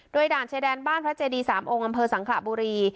โดยด่านชายแดนบ้านพระเจดี๓องค์อำเภอสังขระบุรี